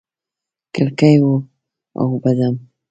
کړکۍ و اوبدم